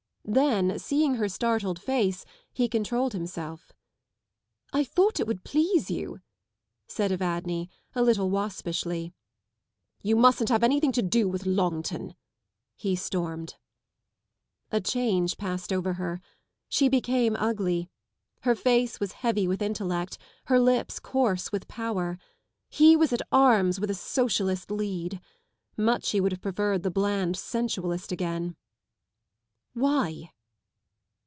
Then, seeing her startled face, he controlled himself. 1 thought it would please you," said Evadne, a little waspishly. " You mustn't have anything to do with Longton," he stormed. ioa A change passed over her. She became ugly. Her face was heavy with intellect, her lips coarse with power. He was at arms with a Socialist lead. Much he would have preferred the bland sensualist again. " Why